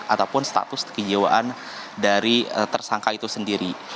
ataupun status kejiwaan dari tersangka itu sendiri